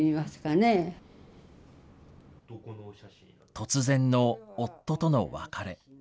突然の夫との別れ。